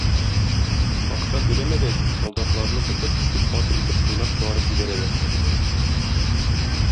Акча түләмәгәч, солдатларны тотып, бик каты итеп кыйнап чыгарып җибәрәләр.